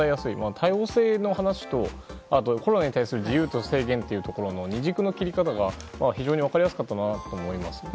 多様性の話とコロナに対する自由と制限という２軸の切り方が非常に分かりやすかったなと思います。